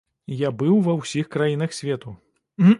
Я быў ва ўсіх краінах свету.